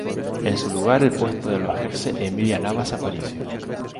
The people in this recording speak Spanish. En su lugar el puesto lo ejerce Emilia Navas Aparicio.